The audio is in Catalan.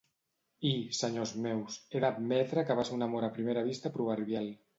I, senyors meus, he d'admetre que va ser un amor a primera vista proverbial.